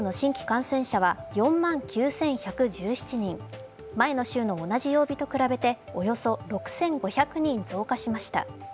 昨日全国の新規感染者は４万９１１７人前の州の同じ曜日と比べておよそ６５００人増加しました。